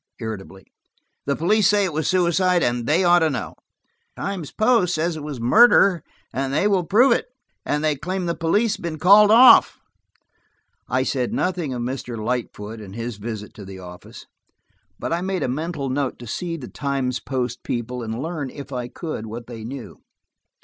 irritably. "The police say it was suicide, and they ought to know." "The Times Post says it was murder, and that they will prove it. And they claim the police have been called off." I said nothing of Mr. Lightfoot, and his visit to the office, but I made a mental note to see the Times Post people and learn, if I could, what they knew.